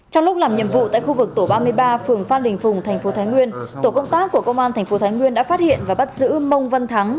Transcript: trong lúc làm nhiệm vụ tại khu vực tổ ba mươi ba phường phan đình phùng tp thái nguyên tổ công tác của công an tp thái nguyên đã phát hiện và bắt giữ mông văn thắng